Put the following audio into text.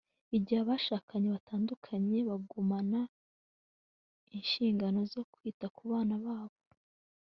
igihe abashakanye batandukanye bagumana inshingano zo kwita ku bana babo